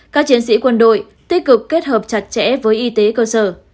các chiến sĩ quân đội tích cực kết hợp chặt chẽ với y tế cơ sở